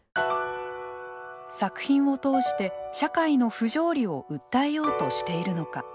作品を通して、社会の不条理を訴えようとしているのか。